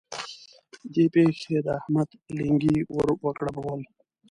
دې پېښې د احمد لېنګي ور وګړبول.